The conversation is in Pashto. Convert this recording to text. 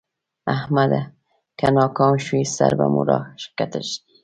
احمده! که ناکام شوې؛ سر به مو راکښته کړې.